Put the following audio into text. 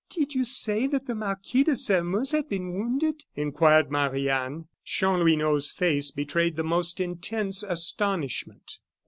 "Did you say that the Marquis de Sairmeuse had been wounded?" inquired Marie Anne. Chanlouineau's face betrayed the most intense astonishment.